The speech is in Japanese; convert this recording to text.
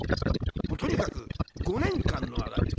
もうとにかく５年間の間に。